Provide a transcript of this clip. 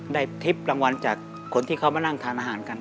ทริปรางวัลจากคนที่เขามานั่งทานอาหารกัน